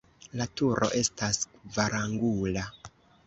La turo estas kvarangula.